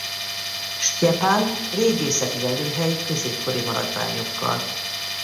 Stjepan régészeti lelőhely középkori maradványokkal.